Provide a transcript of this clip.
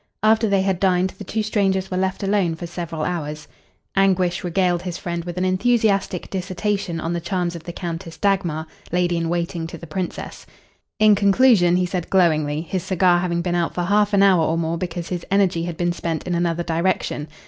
After they had dined the two strangers were left alone for several hours. Anguish regaled his friend with an enthusiastic dissertation on the charms of the Countess Dagmar, lady in waiting to the Princess. In conclusion he said glowingly, his cigar having been out for half an hour or more because his energy had been spent in another direction.